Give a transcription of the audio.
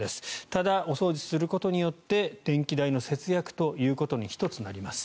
ただ、お掃除することによって電気代の節約ということに１つなります。